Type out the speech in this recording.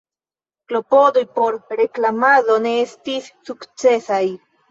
Klopodoj por reklamado ne estis sukcesaj.